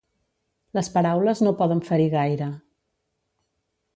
Les paraules no poden ferir gaire.